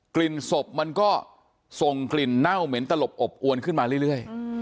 ลิ่นศพมันก็ส่งกลิ่นเน่าเหม็นตลบอบอวนขึ้นมาเรื่อย